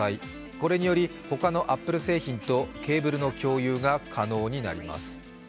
これにより他のアップル製品とケーブルの共有が可能になります。